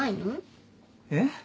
えっ？